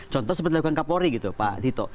contoh seperti dilakukan kapolri gitu pak tito